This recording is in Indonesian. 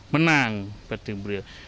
menang pt bril